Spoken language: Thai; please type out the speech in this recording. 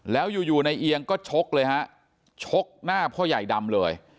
แล้วอยู่อยู่ในเอียงก็ชกเลยฮะชกหน้าพ่อใหญ่ดำเลย